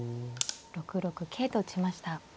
６六桂と打ちました。